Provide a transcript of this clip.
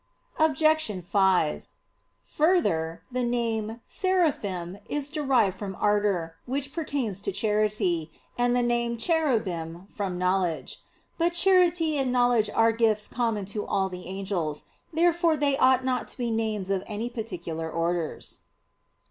Obj. 5: Further, the name "Seraphim" is derived from ardor, which pertains to charity; and the name "Cherubim" from knowledge. But charity and knowledge are gifts common to all the angels. Therefore they ought not to be names of any particular orders.